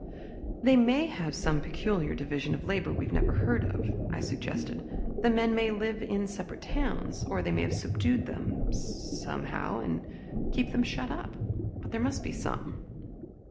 "They may have some peculiar division of labor we've never heard of," I suggested. "The men may live in separate towns, or they may have subdued them somehow and keep them shut up. But there must be some."